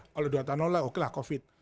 kalau dua tahun lalu iya oke lah covid